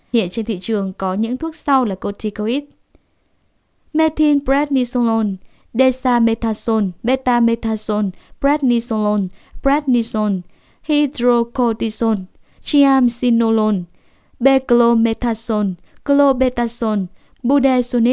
hiện trên thị trường có những thuốc sau là corticoid